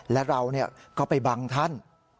และเราก็ไปบังท่าน